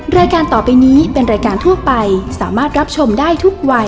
รายการต่อไปนี้เป็นรายการทั่วไปสามารถรับชมได้ทุกวัย